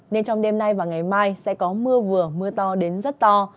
nên trong đêm nay và ngày mai sẽ có mưa vừa mưa to đến rất to